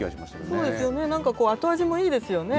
そうですよね、なんか後味もいいですよね。